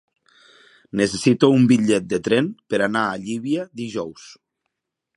Necessito un bitllet de tren per anar a Llívia dijous.